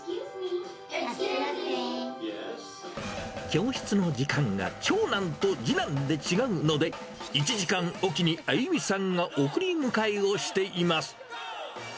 教室の時間が長男と次男で違うので、１時間おきにあゆみさんが送り迎えをしています。